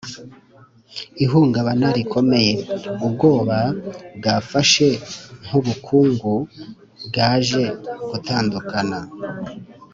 ihungabana rikomeye: ubwoba bwafashe nkubukungu bwaje gutandukana